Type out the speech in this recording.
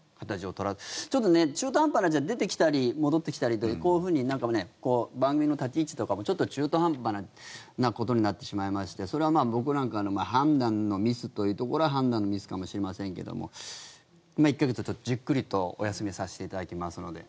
ちょっと中途半端に出てきたり、戻ってきたり番組の立ち位置とかもちょっと中途半端なことになってしまいましてそれは僕なんかの判断のミスというところは判断のミスかもしれませんけども１か月、ちょっとじっくりとお休みさせていただきますので。